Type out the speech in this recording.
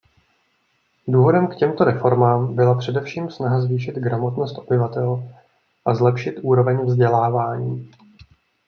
Důvodem k těmto reformám byla především snaha zvýšit gramotnost obyvatel a zlepšit úroveň vzdělávání.